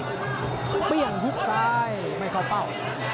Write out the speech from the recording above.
ก้าบเหมือนฮุลซายไม่เข้าเป้า